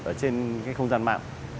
ở trên không gian mạng